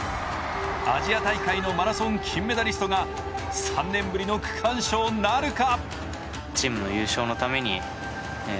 アジア大会のマラソン金メダリストが３年ぶりの区間賞なるか？